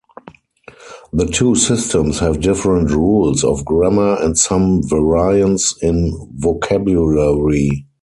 The two systems have different rules of grammar and some variance in vocabulary.